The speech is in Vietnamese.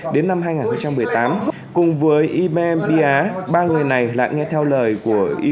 đến năm hai nghìn một mươi tám cùng với yme bia ba người này lại nghe theo lời của ykut ybia